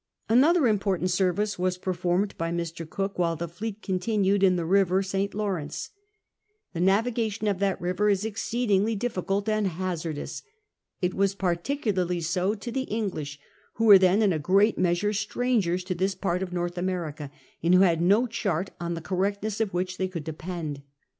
Anotlier i important service .was perfonned by Mr. Cook while the fleet continued in the river St. Lav'rence. The navigation of that river is exceedingly diflieult and hazardous. It was particularly so to the English, who were then in a great measure strangers to this pai't (>f North America, and who had no chart on the correctness of which they could depend.